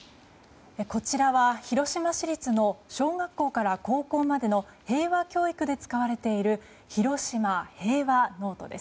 こちらは広島市立の小学校から高校までの平和教育で使われている「ひろしま平和ノート」です。